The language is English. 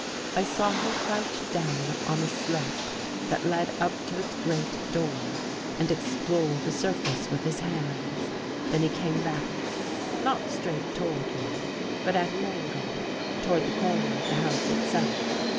I saw him crouch down on the slope that led up to its great door and explore the surface with his hands. Then he came back — not straight toward me, but at an angle, toward the corner of the house itself.